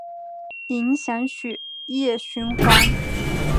影响血液循环